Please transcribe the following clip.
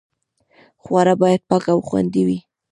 خواړه باید پاک او خوندي وي.